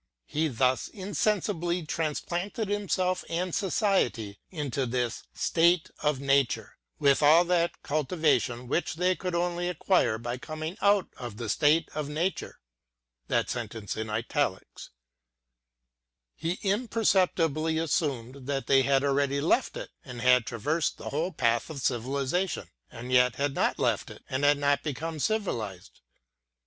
He thus insensibly transplanted himself and society into this State of Nature, with all that ctdtiv ich they could only acquire by coming out of Nature; he imperceptibly assumed that they had already left it and had traversed the whole path of civilization, and yet had not left it and had not become civilized.